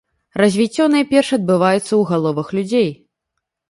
Развіццё найперш адбываецца ў галовах людзей.